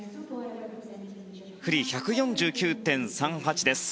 フリーは１４９．３８です。